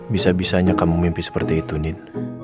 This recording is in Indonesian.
bisa bisanya kamu mimpi seperti itu nin